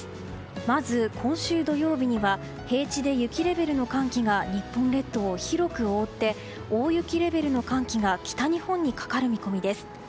まず今週土曜日には平地で雪レベルの寒気が日本列島を広く覆って大雪レベルの寒気が北日本にかかる見込みです。